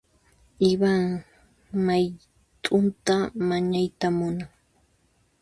Ivan mayt'unta mañayta munan.